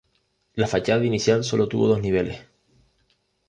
La fachada inicial sólo tuvo dos niveles.